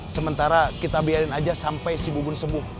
sementara kita biarin aja sampai si bubun sembuh